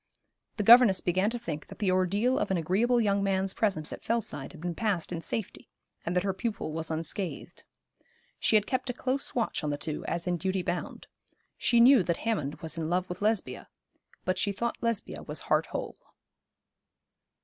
The governess began to think that the ordeal of an agreeable young man's presence at Fellside had been passed in safety, and that her pupil was unscathed. She had kept a close watch on the two, as in duty bound. She knew that Hammond was in love with Lesbia; but she thought Lesbia was heart whole.